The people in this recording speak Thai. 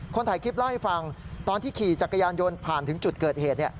ถ่ายคลิปเล่าให้ฟังตอนที่ขี่จักรยานยนต์ผ่านถึงจุดเกิดเหตุ